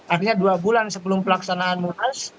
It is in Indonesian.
artinya dua bulan sebelum pelaksanaan munas